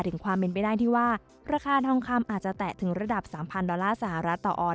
ถึงความเป็นไปได้ที่ว่าราคาทองคำอาจจะแตะถึงระดับ๓๐๐ดอลลาร์สหรัฐต่อออน